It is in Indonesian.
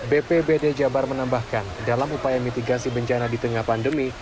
bpbd jabar menambahkan dalam upaya mitigasi bencana di tengah pandemi